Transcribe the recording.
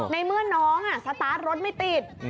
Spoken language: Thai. ในเมื่อน้องสตาร์ทรถไม่ติด